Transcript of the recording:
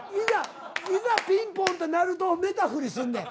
いざピンポンって鳴ると寝たふりすんねん。